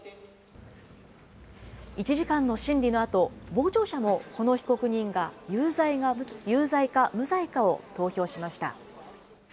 １時間の審理のあと、傍聴者もこの被告人が有罪か無罪かを投票しました。